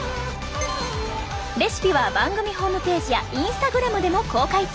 レシピは番組ホームページやインスタグラムでも公開中！